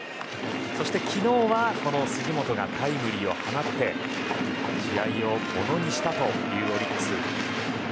そして昨日はこの杉本がタイムリーを放って試合をものにしたオリックス。